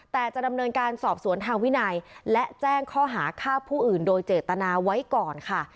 แต่จะดำเนินการสอบสวนทางวินัยและแจ้งข้อหาฆ่าผู้อื่นโดยเจตนาไว้ก่อนค่ะ